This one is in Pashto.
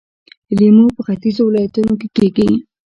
لیمو په ختیځو ولایتونو کې کیږي.